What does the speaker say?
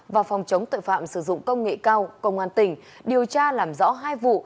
và phòng chống tội phạm sử dụng công nghệ cao công an tỉnh điều tra làm rõ hai vụ